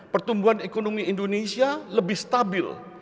pertumbuhan ekonomi indonesia lebih stabil